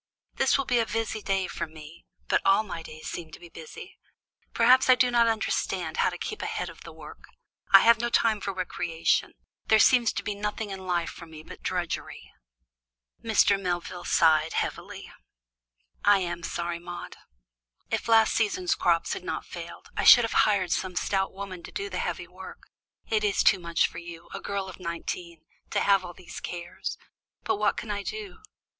This will be a busy day with me, but all my days seem to be busy. Perhaps I do not understand how to keep ahead of the work. I have no time for recreation; there seems to be nothing in life for me but drudgery." Mr. Melvin sighed heavily. "I am sorry, Maude. If last season's crops had not failed, I should have hired some stout woman to do the heavy work. It is too much for you, a girl of nineteen, to have all these cares; but what can I do?"